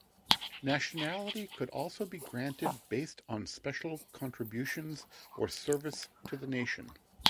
Nationality could also be granted based on special contribution or service to the nation.